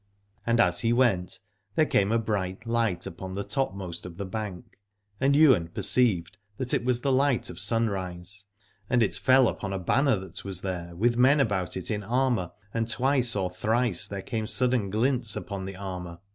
And as he went there came a bright light upon the topmost of the bank, and Ywain perceived 41 Aladore that it was the light of sunrise, and it fell upon a banner that was there, with men about it in armour, and twice or thrice there came sudden glints upon the armour.